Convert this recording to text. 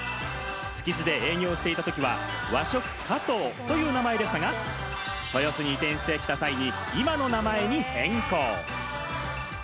築地で営業していたときは「和食かとう」という名前でしたが、豊洲に移転してきた際に今の名前に変更。